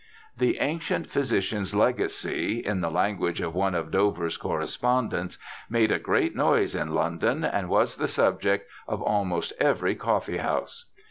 The Ancient Physician's Legacy, in the language of one of Dover's correspondents, ' made a great noise in London, and was the subject of almost every Coffee house.'